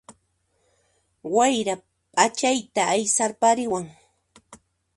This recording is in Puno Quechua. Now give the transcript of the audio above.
Wayra ph'achayta aysarparin